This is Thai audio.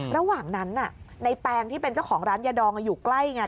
ระหว่างนั้นในแปงที่เป็นเจ้าของร้านยาดองอยู่ใกล้ไง